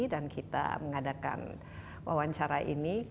dan kita mengadakan wawancara ini